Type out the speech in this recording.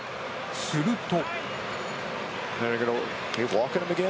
すると。